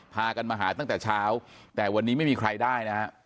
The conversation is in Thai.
พากันมาหาตั้งแต่เช้าแต่วันนี้ไม่มีใครได้นะฮะ